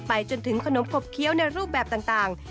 จนถึงขนมขบเคี้ยวในรูปแบบต่าง